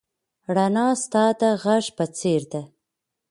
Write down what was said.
رڼا ستا د غږ په څېر ده.